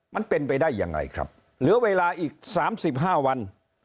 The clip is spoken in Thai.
มันเป็นไปได้ยังไงครับเหลือเวลาอีก๓๕วัน